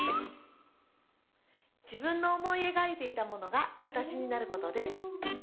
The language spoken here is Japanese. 自分の思い描いていたものが形になることです。